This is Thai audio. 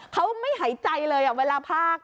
เขาไม่หายใจเลยเวลาพาก